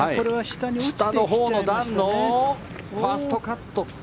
下のほうの段のファーストカット。